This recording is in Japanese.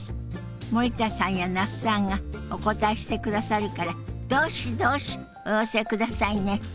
森田さんや那須さんがお答えしてくださるからどしどしお寄せくださいね！